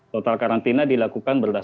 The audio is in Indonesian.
total karantina dilakukan berlalu lama